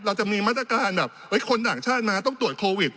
เราจะมีมาตรการแบบคนต่างชาติมาต้องตรวจโควิด